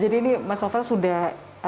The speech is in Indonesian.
jadi ini mas novel sudah